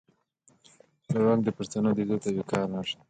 لونګۍ د پښتنو د عزت او وقار نښه ده.